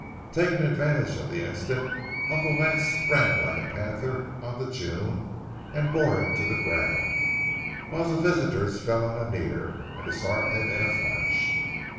Taking advantage of the instant, Uncle Lance sprang like a panther on to June and bore him to the ground, while the visitors fell on Annear and disarmed him in a flash.